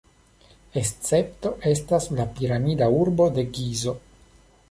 Escepto estas la piramida urbo de Gizo.